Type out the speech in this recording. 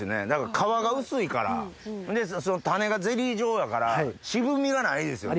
皮が薄いからほんで種がゼリー状やから渋味がないですよね。